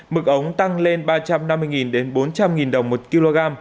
mực ống tăng lên ba trăm năm mươi đến bốn trăm linh đồng một kg